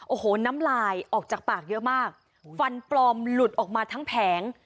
โอ้โหน้ำลายออกจากปากเยอะมากฟันปลอมหลุดออกมาทั้งแผง